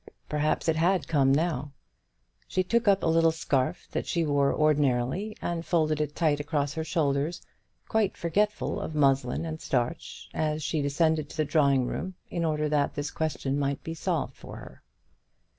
Perhaps it had come now. She took up a little scarf that she wore ordinarily and folded it tight across her shoulders, quite forgetful of muslin and starch, as she descended to the drawing room in order that this question might be solved for her.